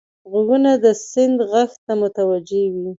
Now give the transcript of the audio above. غوږونه د سیند غږ ته متوجه وي